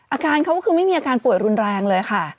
อาการเขาก็คือไม่มีอาการป่วยรุนแรงเลยค่ะ